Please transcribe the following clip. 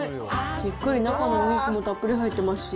しっかり中のお肉も、たっぷり入ってますし。